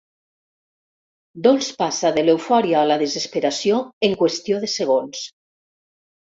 Dols passa de l'eufòria a la desesperació en qüestió de segons.